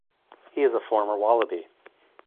He is a former Wallaby.